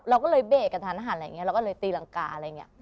เราก็เลยเบกกับฐานอาหารอะไรอย่างเงี้ย